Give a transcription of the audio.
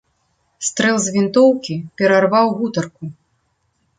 Стрэл з вінтоўкі перарваў гутарку.